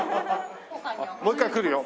もう一回来るよ。